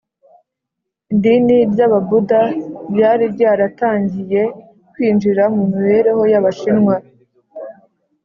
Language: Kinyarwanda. idini ry’ababuda ryari ryaratangiye kwinjira mu mibereho y’abashinwa.